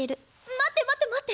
待って待って待って！